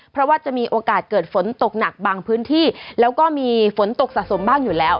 เพราะว่าจะมีโอกาสเกิดฝนตกหนักบางพื้นที่แล้วก็มีฝนตกสะสมบ้างอยู่แล้ว